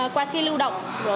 qua si lưu động